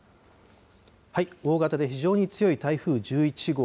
大型で非常に強い台風１１号。